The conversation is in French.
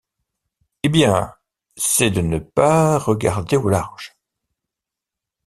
Eh bien… c’est de ne pas regarder au large…